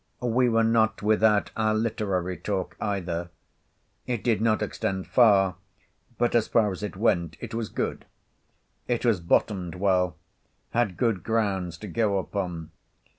We were not without our literary talk either. It did not extend far, but as far as it went, it was good. It was bottomed well; had good grounds to go upon.